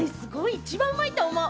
一番うまいと思う。